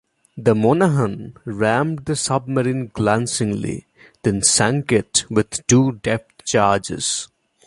The "Monaghan" rammed the submarine glancingly, then sank it with two depth charges.